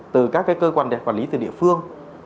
từ các cái cơ quan quản lý từ địa phương